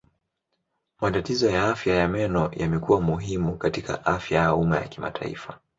Matatizo ya afya ya meno yamekuwa muhimu katika afya ya umma ya kimataifa.